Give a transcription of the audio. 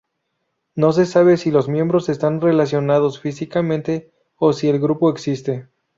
No se sabe si los miembros están relacionados físicamente, o si el grupo existe.